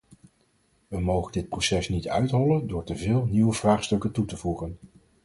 We mogen dit proces niet uithollen door te veel nieuwe vraagstukken toe te voegen.